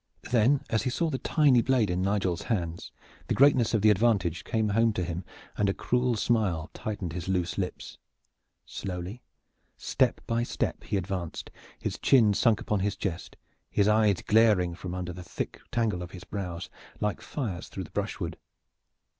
Then as he saw the tiny blade in Nigel's hand the greatness of the advantage came home to him, and a cruel smile tightened his loose lips. Slowly, step by step he advanced, his chin sunk upon his chest, his eyes glaring from under the thick tangle of his brows like fires through the brushwood.